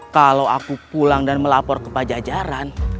kalau aku pulang dan melapor kepada jajaran